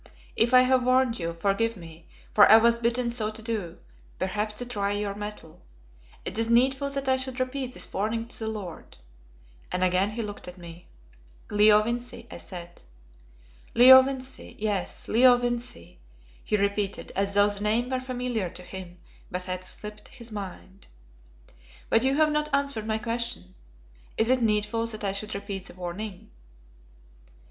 If I have warned you, forgive me, for I was bidden so to do, perhaps to try your mettle. Is it needful that I should repeat this warning to the lord " and again he looked at me. "Leo Vincey," I said. "Leo Vincey, yes, Leo Vincey," he repeated, as though the name were familiar to him but had slipped his mind. "But you have not answered my question. Is it needful that I should repeat the warning?"